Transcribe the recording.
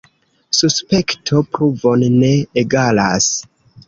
Suspekto pruvon ne egalas.